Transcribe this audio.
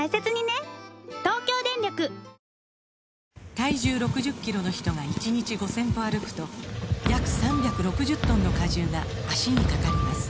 体重６０キロの人が１日５０００歩歩くと約３６０トンの荷重が脚にかかります